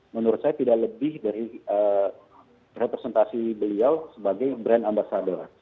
menurut saya tidak lebih dari representasi beliau sebagai brand ambasador